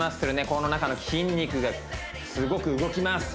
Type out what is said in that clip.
この中の筋肉がすごく動きます